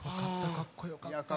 かっこよかった。